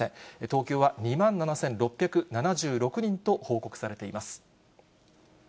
東京は２万７６７６人と報告されています。